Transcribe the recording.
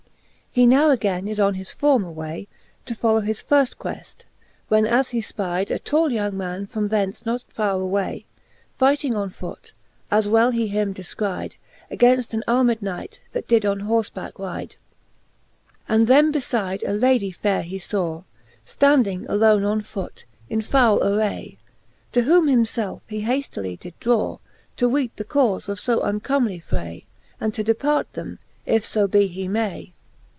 He now againe is on his former way. To follow his firft queft, when as he fpyde A tall young man from thence not farre away, Fighting on foot, as well he him defcryde, Againft an armed knight, that did on horfebacke ryde^ IV. And them befide a Ladie faire he faw. Standing alone on foot, in foule array: To whom himfelfe he haftily did draw, To weet the caufe of io uncomely fray. And to depart them, if {o be he may.